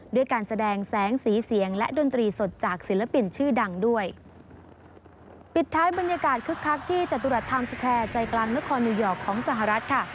ด้วยการแสดงแสงสีเสียงและดนตรีสดจากศิลปินชื่อดังด้วยปิดท้ายบรรยากาศคึกคักที่จตุรัสไทม์สแคร์ใจกลางนครนิวยอร์กของสหรัฐค่ะ